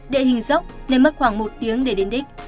địa hình dốc nên mất khoảng một tiếng để đến đích